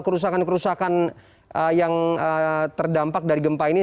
kerusakan kerusakan yang terdampak dari gempa ini